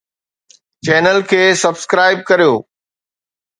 channel کي subscribe ڪريو